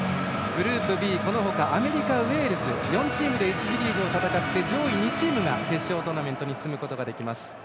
グループＢはこのほかアメリカ、ウェールズ１次リーグを４か国で戦って上位２チームが決勝トーナメントに進むことができます。